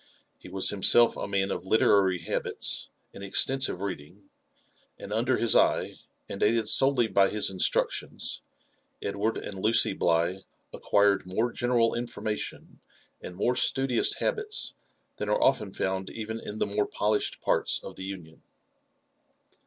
He was himself a man of literary habits and extensive reading ; aiid under his eye, and aided solely by his instructions, Edward and Lucy Bligh acquired more general information and more studious habits than are often found even in the more polished parts of the Union.